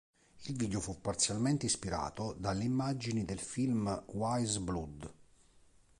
Il video fu parzialmente ispirato dalle immagini del film "Wise Blood".